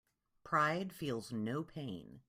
Pride feels no pain.